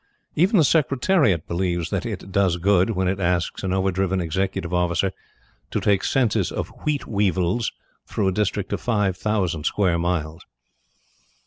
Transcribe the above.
Even the Secretariat believes that it does good when it asks an over driven Executive Officer to take census of wheat weevils through a district of five thousand square miles.